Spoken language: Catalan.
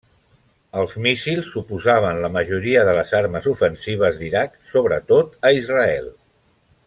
Els míssils suposaven la majoria de les armes ofensives d'Iraq, sobretot a Israel.